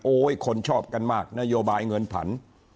คนชอบกันมากนโยบายเงินผัน